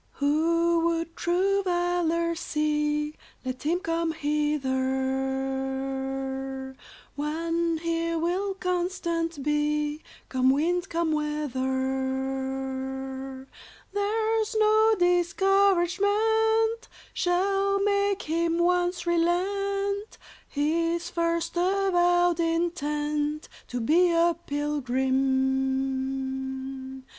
"Who would true valor see, Let him come hither; One here will constant be, Come wind, come weather; There's no discouragement Shall make him once relent His first avowed intent To be a pilgrim.